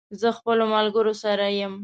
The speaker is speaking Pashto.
زه خپلو ملګرو سره یم